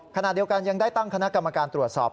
ขณะเดียวกันยังได้ตั้งคณะกรรมการตรวจสอบ